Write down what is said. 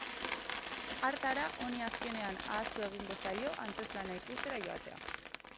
Hartara honi azkenean ahaztu egingo zaio antzezlana ikustera joatea.